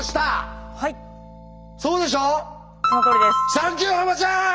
サンキューハマちゃん！